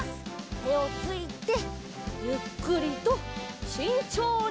てをついてゆっくりとしんちょうに。